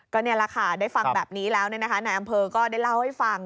ก็นี่แหละค่ะได้ฟังแบบนี้แล้วนายอำเภอก็ได้เล่าให้ฟัง